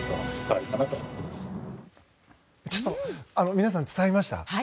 皆さん、伝わりました？